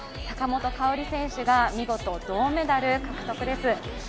坂本花織選手が見事、銅メダル獲得です。